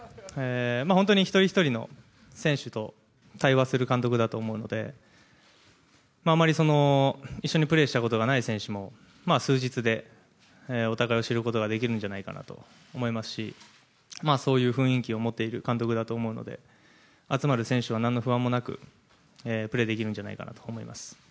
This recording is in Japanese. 本当に一人一人の選手と対話する監督だと思うので、あんまり一緒にプレーしたことがない選手も、数日でお互いを知ることができるんじゃないかなと思いますし、そういう雰囲気を持っている監督だと思うんで、集まる選手はなんの不安もなく、プレーできるんじゃないかなと思います。